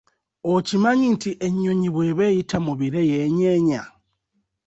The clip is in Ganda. Okimanyi nti ennyonyi bw'eba eyita mu bire yeenyeenya?